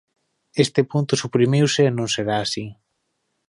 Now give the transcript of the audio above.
Este punto suprimiuse e non será así.